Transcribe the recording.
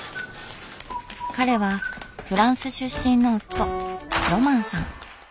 彼はフランス出身の夫ロマンさん。